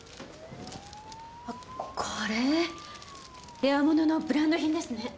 あっこれレア物のブランド品ですね。